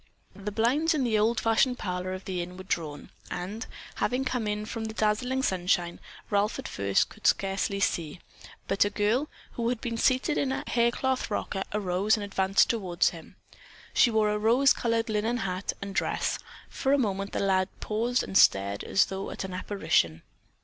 The blinds in the old fashioned parlor of the Inn were drawn, and, having come in from the dazzling sunshine, Ralph at first could scarcely see, but a girl, who had been seated in a haircloth rocker, arose and advanced toward him. She wore a rose colored linen hat and dress. For a moment the lad paused and stared as though at an apparition.